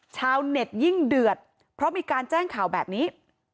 ชาวเน็ตยิ่งเดือดเพราะมีการแจ้งข่าวแบบนี้